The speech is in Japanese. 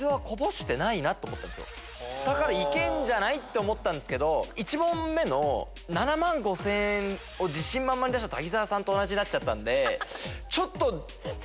だから行けんじゃない？って思ったんですけど１問目の７万５０００円を自信満々に出した滝沢さんと同じになっちゃったんで。